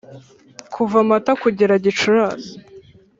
kuva mata kugera gicurasi,